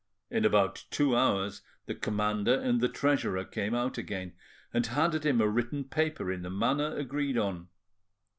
In about two hours the commander and the treasurer came out again, and handed him a written paper in the manner agreed on.